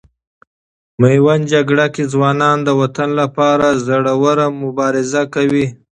میوند جګړې کې ځوانان د وطن لپاره زړه ور مبارزه کوي.